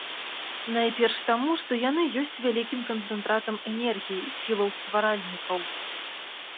Найперш таму, што яны ёсць вялікім канцэнтратам энергіі, сілаў стваральнікаў.